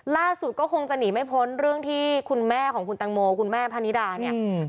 คงจะหนีไม่พ้นเรื่องที่คุณแม่ของคุณตังโมคุณแม่พนิดาเนี่ย